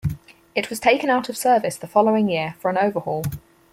It was taken out of service the following year for an overhaul.